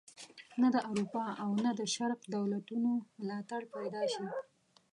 نه د اروپا او نه د شرق دولتونو ملاتړ پیدا شي.